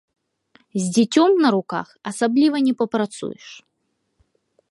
З дзіцём на руках асабліва не папрацуеш.